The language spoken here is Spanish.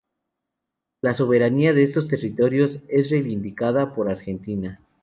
La soberanía de estos territorios es reivindicada por Argentina.